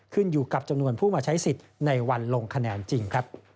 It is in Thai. ขึ้นอยู่กับจำนวนผู้มาใช้สิทธิ์ในวันลงคะแนนจริง